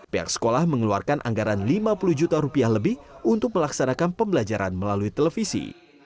pihak sekolah mengeluarkan anggaran lima puluh juta rupiah lebih untuk melaksanakan pembelajaran melalui televisi